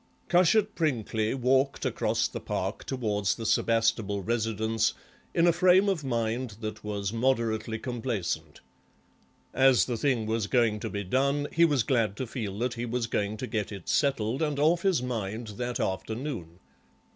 Cushat Prinkly walked across the Park towards the Sebastable residence in a frame of mind that was moderately complacent. As the thing was going to be done he was glad to feel that he was going to get it settled and off his mind that afternoon.